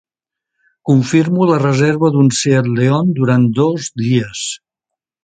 Confirmo la reserva d'un Seat León durant dos dies.